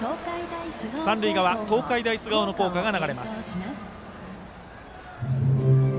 三塁側、東海大菅生の校歌です。